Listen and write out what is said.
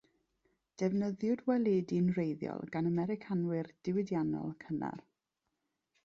Defnyddiwyd waledi'n wreiddiol gan Americanwyr diwydiannol cynnar.